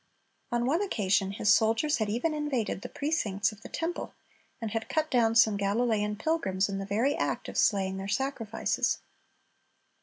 On one occasion his soldiers had even invaded the precincts of the temple, and had cut down some Galilean pilgrims in the very act of slaying their sacrifices.